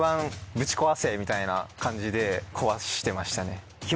みたいな感じで壊してましたね。